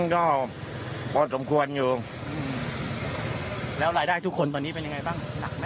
ก็พอสมควรอยู่แล้วรายได้ทุกคนตอนนี้เป็นยังไงบ้าง